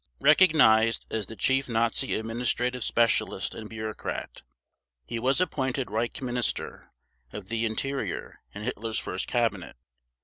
Recognized as the chief Nazi administrative specialist and bureaucrat, he was appointed Reichsminister of the Interior in Hitler's first Cabinet.